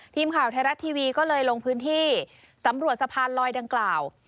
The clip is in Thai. ทีมข่าวไทยรัฐทีวีก็เลยลงพื้นที่สำรวจสะพานลอยดังกล่าว